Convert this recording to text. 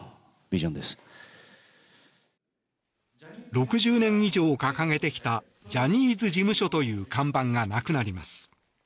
６０年以上掲げてきたジャニーズ事務所という看板がなくなります。